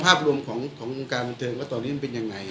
ภาพรวมของของลงกาลบันเทิงตรงนี้มันเป็นยังไง